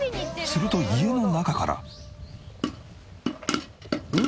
すると家の中から。